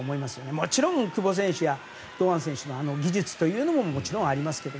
もちろん久保選手や堂安選手の技術というのももちろんありますけど